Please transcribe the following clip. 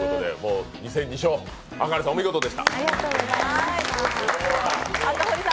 ２戦２勝、赤堀さん、お見事でした。